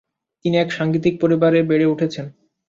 তিনি এক সাঙ্গীতিক পরিবারের বেড়ে উঠেছেন।